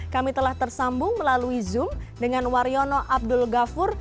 kami telah tersambung melalui zoom dengan waryono abdul ghafur